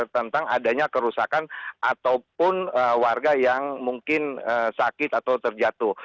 tentang adanya kerusakan ataupun warga yang mungkin sakit atau terjatuh